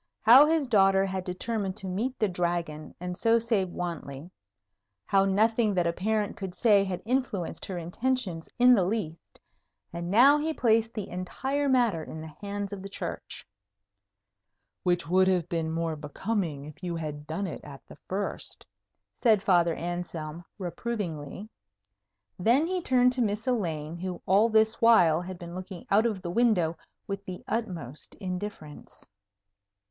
How his daughter had determined to meet the Dragon, and so save Wantley; how nothing that a parent could say had influenced her intentions in the least; and now he placed the entire matter in the hands of the Church. "Which would have been more becoming if you had done it at the first," said Father Anselm, reprovingly. Then he turned to Miss Elaine, who all this while had been looking out of the window with the utmost indifference.